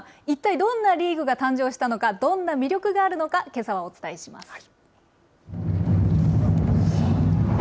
いったいどんなリーグが誕生したのか、どんな魅力があるのか、けさはお伝えします。